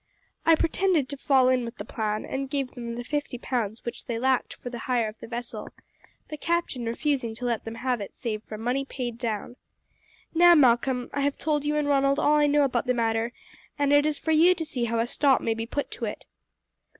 I pretended to fall in with the plan, and gave them the fifty pounds which they lacked for the hire of the vessel, the captain refusing to let them have it save for money paid down. Now, Malcolm, I have told you and Ronald all I know about the matter, and it is for you to see how a stop may be put to it."